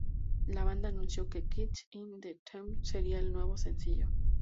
La banda anunció que "Kick in the Teeth" sería el nuevo sencillo.